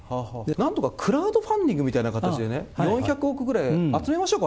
なんとかクラウドファンディングみたいな形でね、４００億ぐらい集めましょうか？